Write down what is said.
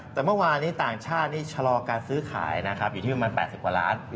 แต่เมื่อวานนี้ต่างชาตินี่ชะลอการซื้อขายนะครับอยู่ที่ประมาณ๘๐กว่าล้าน